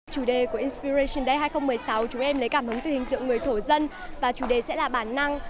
chủ đề của insperation day hai nghìn một mươi sáu chúng em lấy cảm hứng từ hình tượng người thổ dân và chủ đề sẽ là bản năng